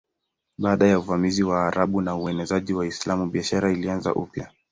Baada ya uvamizi wa Waarabu na uenezaji wa Uislamu biashara ilianza upya.